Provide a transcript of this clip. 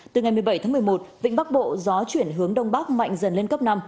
từ ngày một mươi bảy tháng một mươi một vịnh bắc bộ gió chuyển hướng đông bắc mạnh dần lên cấp năm